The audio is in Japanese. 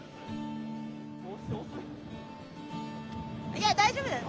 いや大丈夫だよ。